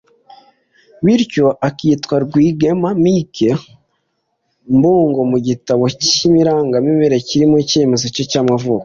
bityo akitwa Rwigema Mike Mbungo mu gitabo cy’irangamimerere kirimo icyemezo cye cy’amavuko